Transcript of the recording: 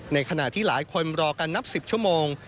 ในขณะที่หลายคนรอกันนับ๑๐ชั่วโมง